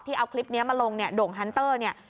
เอาคลิปนี้มาลงเนี่ยโด่งฮันเตอร์เนี่ย